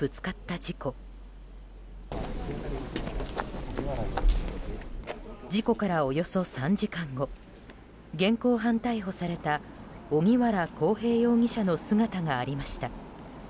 事故からおよそ３時間後現行犯逮捕された荻原航平容疑者の姿がありました。